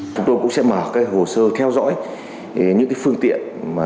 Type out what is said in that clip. chúng tôi cũng sẽ mở hồ sơ theo dõi những phương tiện